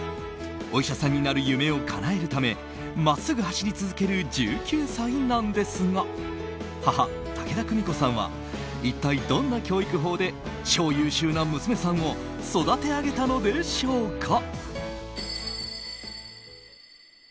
お医者さんになる夢をかなえるためまっすぐ走り続ける１９歳なんですが母・武田久美子さんは一体、どんな教育法で超優秀な娘さんを育て上げたのでしょうか。